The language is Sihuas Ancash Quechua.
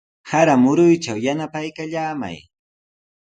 Sara muruytraw yanapaykallamay.